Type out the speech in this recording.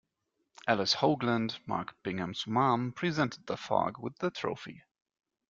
Alice Hoagland, Mark Bingham's mom, presented the Fog with the trophy.